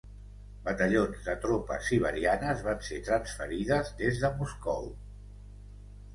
Batallons de tropes siberianes van ser transferides des de Moscou.